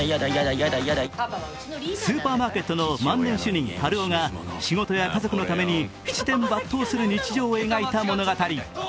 スーパーマーケットの万年主任・春男が仕事や家族のために七転八倒する日常を描いた物語。